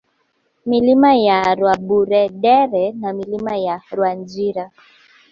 Milima ya Rwaburendere na Milima ya Rwanzira